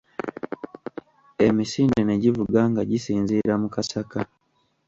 Emisinde ne givuga nga gisinziira mu kasaka.